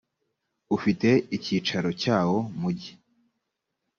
ufite icyicaro cyawo mugi.